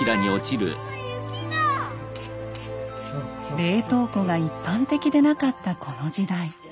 冷凍庫が一般的でなかったこの時代。